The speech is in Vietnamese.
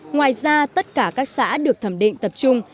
ngoài ra tất cả các xã được thẩm định tập trung